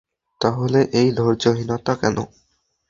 তাহলে এই ধৈর্যহীনতা কেন?